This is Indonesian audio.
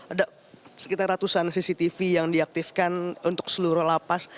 ada sekitar ratusan cctv yang diaktifkan untuk seluruh lapas